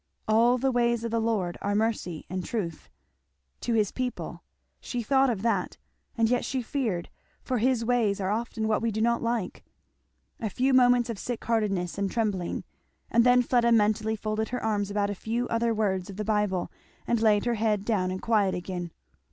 "All the ways of the Lord are mercy and truth" to his people; she thought of that, and yet she feared, for his ways are often what we do not like. A few moments of sick heartedness and trembling, and then Fleda mentally folded her arms about a few other words of the Bible and laid her head down in quiet again.